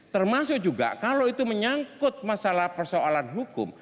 termasuk juga kalau itu menyangkut masalah persoalan hukum